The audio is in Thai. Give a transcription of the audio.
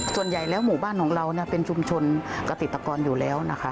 ส่วนใหญ่แล้วหมู่บ้านของเราเป็นชุมชนกติกกรอยู่แล้วนะคะ